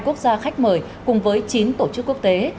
hai quốc gia khách mời cùng với chín tổ chức quốc tế